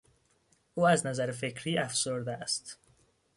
او از نظر فکری افسرده است.